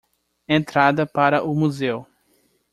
Entrada para o museu